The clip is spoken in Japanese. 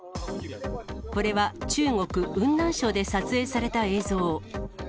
これは中国・雲南省で撮影された映像。